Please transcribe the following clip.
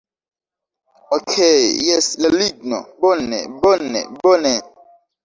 Okej' jes la ligno... bone, bone, bone